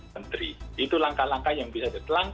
menteri itu langkah langkah yang bisa ditelan